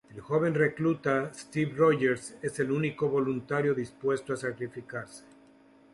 El joven recluta Steve Rogers es el único voluntario dispuesto a sacrificarse.